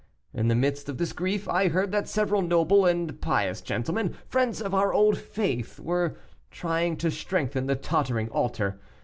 In the midst of this grief, I heard that several noble and pious gentlemen, friends of our old faith, were trying to strengthen the tottering altar.